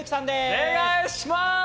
お願いします！